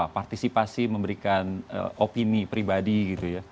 partisipasi memberikan opini pribadi gitu ya